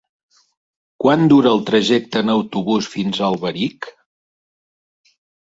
Quant dura el trajecte en autobús fins a Alberic?